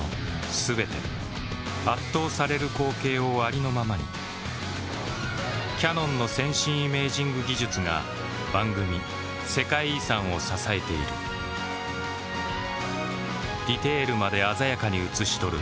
全て圧倒される光景をありのままにキヤノンの先進イメージング技術が番組「世界遺産」を支えているディテールまで鮮やかに映し撮る